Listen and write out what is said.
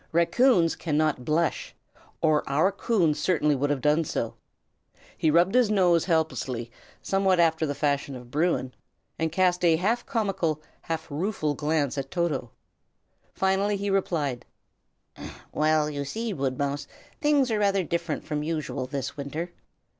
Raccoons cannot blush, or our Coon certainly would have done so. He rubbed his nose helplessly, somewhat after the fashion of Bruin, and cast a half comical, half rueful glance at Toto. Finally he replied, "Well, you see, Woodmouse, things are rather different from usual this winter.